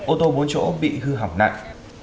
ô tô bốn chỗ bị hư hỏng nặng